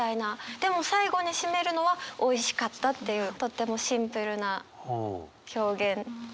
でも最後に締めるのは「おいしかった」っていうとってもシンプルな表現っていう。